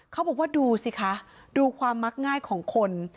เขาบอกว่าดูสิคะดูความมักง่ายของคน